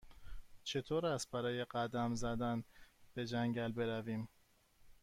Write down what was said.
چطور است برای قدم زدن به جنگل برویم؟